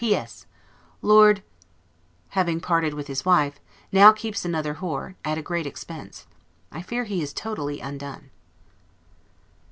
P. S. Lord having parted with his wife, now, keeps another w e, at a great expense. I fear he is totally undone.